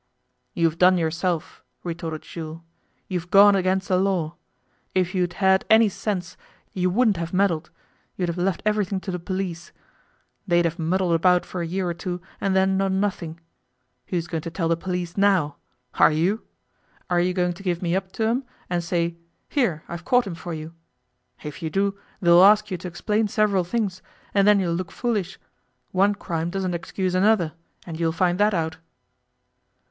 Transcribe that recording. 'You've done yourself,' retorted Jules. 'You've gone against the law. If you'd had any sense you wouldn't have meddled; you'd have left everything to the police. They'd have muddled about for a year or two, and then done nothing. Who's going to tell the police now? Are you? Are you going to give me up to 'em, and say, "Here, I've caught him for you". If you do they'll ask you to explain several things, and then you'll look foolish. One crime doesn't excuse another, and you'll find that out.